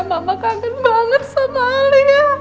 mama kangen banget sama alia